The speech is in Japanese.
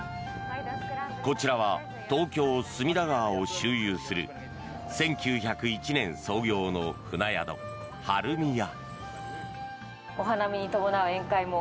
こちらは東京・隅田川を周遊する１９０１年創業の船宿、晴海屋。